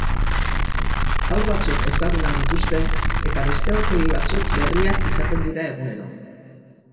Haur batzuk ezagunak dituzte eta beste aurpegi batzuk berriak izaten dira egunero.